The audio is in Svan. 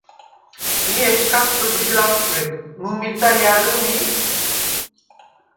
მი ეჩქას ბჷგიდ ლა̈ხუ̂ჭუ̂ედ: “მუ მირდა ჲა̈რჷ მი?”